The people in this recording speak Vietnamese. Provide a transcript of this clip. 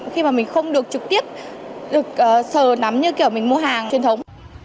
khi mà mình không được trực tiếp được sờ nắm như kiểu mình mua hàng truyền thống